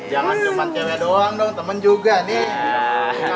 jangan cuma cewek doang dong temen juga nih